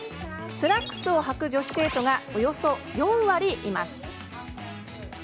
スラックスをはく女子生徒がおよそ４割います。